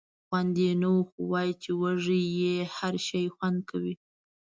خونده یې نه وه خو وایي چې وږی یې هر شی خوند کوي.